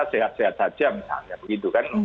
sehat sehat saja misalnya begitu kan